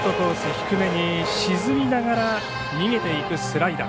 低めに沈みながら逃げていくスライダー。